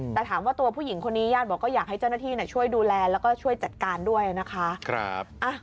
แต่ถามว่าตัวผู้หญิงคนนี้ญาติบอกว่าอยากให้เจ้าหน้าที่